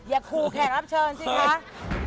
อย่าครูแขกรับเชิญสิคะ